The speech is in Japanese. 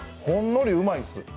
ほんのりうまいです。